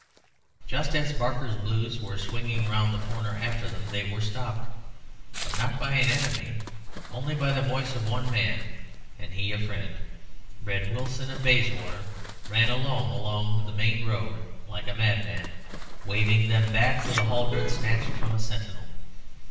Just as Barker's Blues were swinging round the corner after them, they were stopped, but not by an enemy; only by the voice of one man, and he a friend. Red Wilson of Bayswater ran alone along the main road like a madman, waving them back with a halberd snatched from a sentinel.